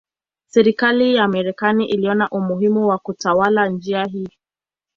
Serikali ya Marekani iliona umuhimu wa kutawala njia hii.